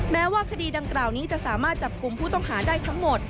แม้ว่าคดีดังกล่าวนี้จะสามารถจับกลุ่มผู้ต้องหาได้ทั้งหมด